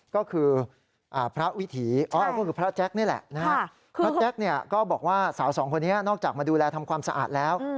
ก็คือพระวิถีอ๋อก็คือพระแจ๊คนี่แหละนะครับพระแจ๊กก็บอกว่าสาวสองคนนี้นอกจากมาดูแลทำความสะอาดแล้ว